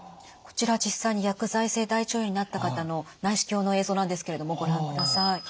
こちらは実際に薬剤性腸炎になった方の内視鏡の映像なんですけれどもご覧ください。